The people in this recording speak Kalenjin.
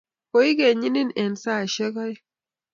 Koikenyinin eng saishek aeng